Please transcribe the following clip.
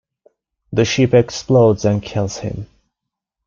The ship explodes and kills him.